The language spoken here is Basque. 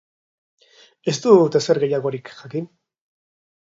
Ez dut ezer gehiagorik jakin.